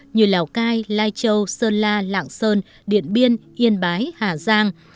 như lào cai lai châu sơn la lạng sơn điện biên yên bái hà giang